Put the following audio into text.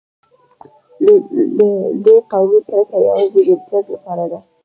د دوی قومي کرکه یوازې د امتیاز لپاره ده.